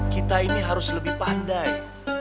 kita ini harus lebih pandai